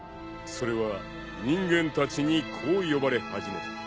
［それは人間たちにこう呼ばれ始めた］